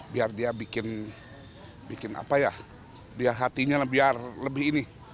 biar dia bikin apa ya biar hatinya biar lebih ini